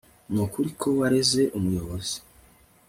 Nukuri ko wareze umuyobozi